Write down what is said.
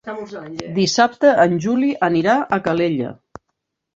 Dissabte en Juli anirà a Calella.